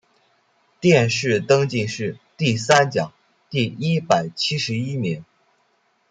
殿试登进士第三甲第一百七十一名。